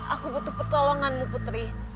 aku butuh pertolonganmu putri